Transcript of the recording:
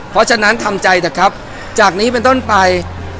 เพราะฉะนั้นทำใจเถอะครับจากนี้เป็นต้นไป